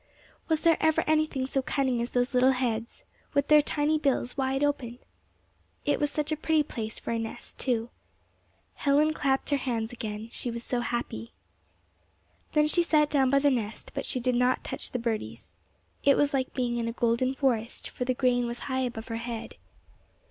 Was there ever anything so cunning as those little heads, with their tiny bills wide open! It was such a pretty place for a nest, too. Helen clapped her hands again, she was so happy. Then she sat down by the nest, but she did not touch the birdies. It was like being in a golden forest, for the grain was high above her head.